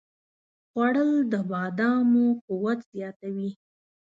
خوړل د بادامو قوت زیاتوي